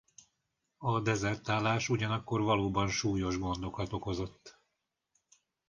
A dezertálás ugyanakkor valóban súlyos gondokat okozott.